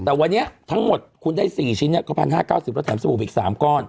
แต่วันนี้ทั้งหมดคุณได้๔ชิ้นก็๑๕๙๐แล้วแถมสบู่อีก๓ก้อน